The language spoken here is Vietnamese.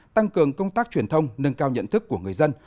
tăng cường công tác truyền thông nâng cao nhận thức của người dân